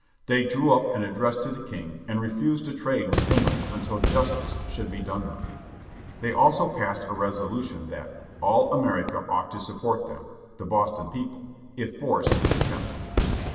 They drew up an ad dress to the king, and refused to trade with England until justice should be done them. They also passed a resolution that "All America ought to support them â " the Boston people â "if force is attempted."